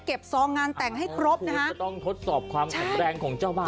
ซองงานแต่งให้ครบนะฮะก็ต้องทดสอบความแข็งแรงของเจ้าบ้าน